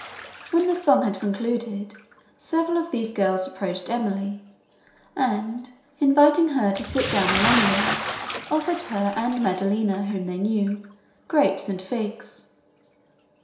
When the song had concluded, several of these girls approached Emily, and, inviting her to sit down among them, offered her, and Maddelina, whom they knew, grapes and figs.